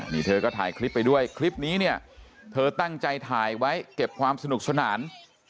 นี่เธอก็ถ่ายคลิปไปด้วยคลิปนี้เนี่ยเธอตั้งใจถ่ายไว้เก็บความสนุกสนาน